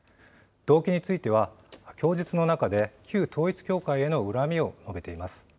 動機については、供述の中で、旧統一教会への恨みを述べています。